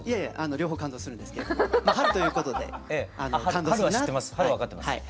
両方感動するんですけど春ということで感動するなって。